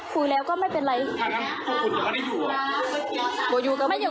คุยแล้วก็ไม่เป็นไรคุณจะไม่ได้อยู่เหรอไม่อยู่ก็อยู่